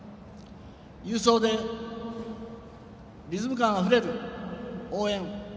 勇壮でリズム感あふれる応援。